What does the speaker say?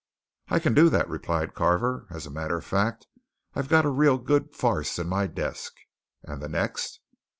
"I can do that," replied Carver. "As a matter of fact, I've got a real good farce in my desk. And the next?"